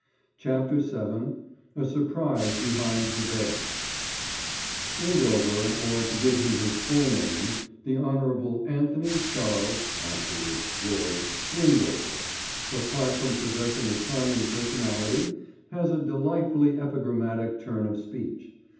*CHAPTER VII* *A SURPRISE BEHIND THE VEIL* Windover, or to give him his full name, the Hon. Anthony Charles (afterwards Lord) Windover, apart from possessing a charming personality, has a delightfully epigrammatic turn of speech.